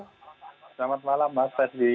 selamat malam pak fred